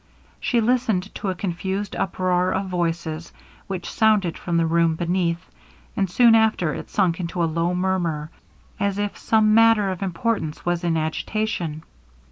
She listened to a confused uproar of voices, which sounded from the room beneath, and soon after it sunk into a low murmur, as if some matter of importance was in agitation.